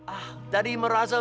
ah tadi merasa